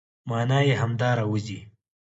مانا يې همدا راوځي،